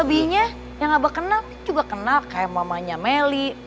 selebihnya yang abah kenal neng juga kenal kayak mamanya meli